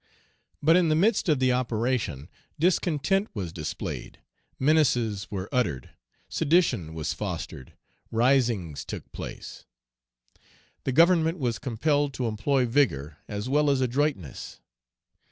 But in the midst of the operation discontent was displayed, menaces were uttered, sedition was fostered, risings took place; the Government was compelled to employ vigor as well as adroitness.